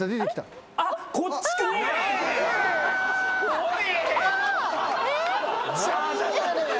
おい！